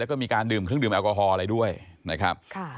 แล้วก็มีการดื่มเครื่องดื่มแอลกอฮอล์อะไรด้วยนะครับ